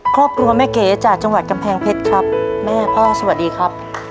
ครอบครัวแม่เก๋จากจังหวัดกำแพงเพชรครับแม่พ่อสวัสดีครับ